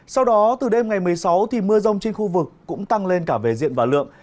sau đó từ đêm ngày một mươi sáu thì mưa rông trên khu vực cũng tăng lên cả về diện và lượng